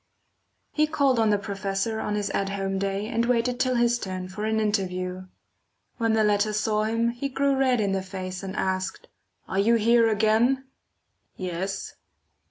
He called on the professor on his at home day and waited till his turn for an interview. When the latter saw him, he grew red in the face and asked: "Are you here again?" "Yes."